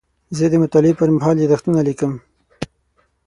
زه د مطالعې پر مهال یادښتونه لیکم.